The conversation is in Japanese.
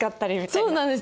そうなんです。